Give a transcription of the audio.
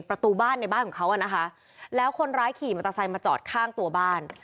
ประตูบ้านในบ้านของเขาอ่ะนะคะแล้วคนร้ายขี่มอเตอร์ไซค์มาจอดข้างตัวบ้าน